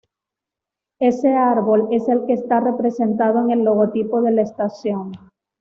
Ese árbol es el que está representado en el logotipo de la estación.